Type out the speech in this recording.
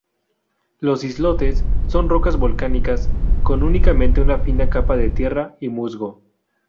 Los islotes son rocas volcánicas, con únicamente una fina capa de tierra y musgo.